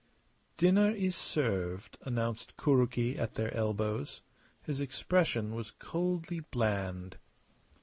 "Dinner is served," announced Kuroki at their elbows. His expression was coldly bland.